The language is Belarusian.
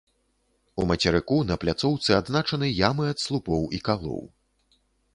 У мацерыку на пляцоўцы адзначаны ямы ад слупоў і калоў.